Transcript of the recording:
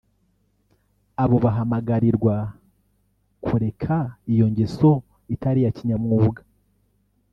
abo bahamagarirwa kureka iyo ngeso itari iya kinyamwuga